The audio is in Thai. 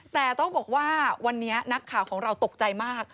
แต่ต้องบอกว่าวันนี้นักข่าวของเราตกใจมาก